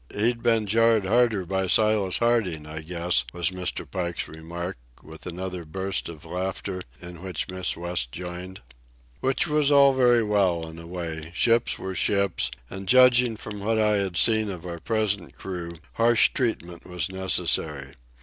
"He'd been jarred harder by Silas Harding, I guess," was Mr. Pike's remark, with another burst of laughter, in which Miss West joined. Which was all very well in a way. Ships were ships, and judging by what I had seen of our present crew harsh treatment was necessary.